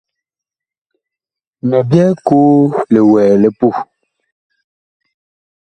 Mi byɛɛ koo li wɛɛ li puh.